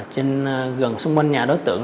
trên gần xung quanh nhà đối tượng